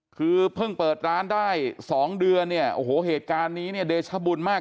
คือเพิ่งเปิดร้านได้สองเดือนเนี่ยโอ้โหเหตุการณ์นี้เนี่ยเดชบุญมาก